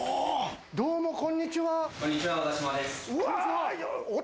どうも、こんにちは。